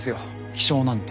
気象なんて。